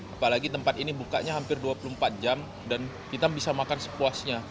apalagi tempat ini bukanya hampir dua puluh empat jam dan kita bisa makan sepuasnya